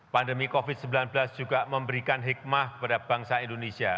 pandemi covid sembilan belas juga memberikan hikmah kepada bangsa indonesia